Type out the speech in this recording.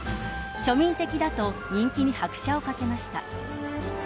庶民的だと人気に拍車をかけました。